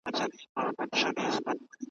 نارنج ګل مي پر زړه اوري انارګل مي را یادیږي `